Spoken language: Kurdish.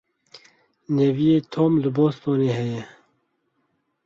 Neviyê Tom li Bostonê heye.